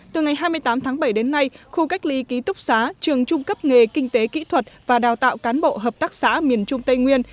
từ ngày hai mươi tám tháng bảy đến nay khu cách ly ký túc xá trường trung cấp nghề kinh tế kỹ thuật và đào tạo cán bộ hợp tác xã miền trung tây nguyên